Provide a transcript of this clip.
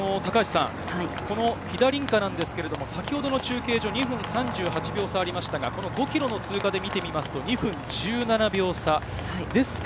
この飛田凜香ですが、先ほどの中継所、２分３８秒差がありましたが、５ｋｍの通過で見てみると２分１７秒差。